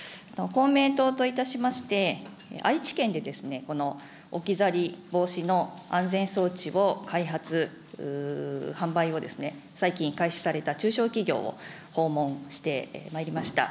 公明党といたしまして、愛知県で、この置き去り防止の安全装置を開発、販売を最近開始された中小企業を訪問してまいりました。